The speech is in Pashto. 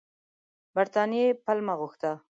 برټانیې پلمه غوښته.